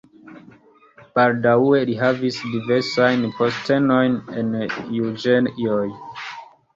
Baldaŭe li havis diversajn postenojn en juĝejoj.